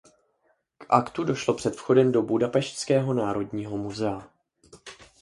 K aktu došlo před vchodem do budapešťského Národního muzea.